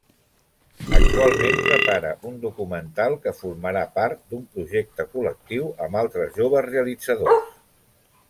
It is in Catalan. Actualment prepara un documental que formarà part d'un projecte col·lectiu amb altres joves realitzadors.